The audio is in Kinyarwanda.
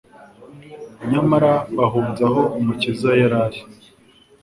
nyamara bahunze aho Umukiza yari ari